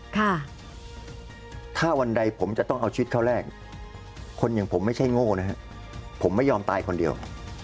ถ้าวันใดผมจะต้องเอาชีวิตเขาแรกคนอย่างผมไม่ใช่โง่นะฮะผมไม่ยอมตายคนเดียว